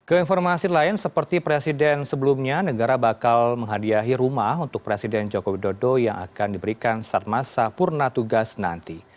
keinformasi lain seperti presiden sebelumnya negara bakal menghadiahi rumah untuk presiden joko widodo yang akan diberikan saat masa purna tugas nanti